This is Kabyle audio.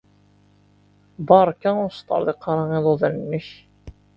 Beṛka ur sṭerḍiq ara iḍudan-nnek.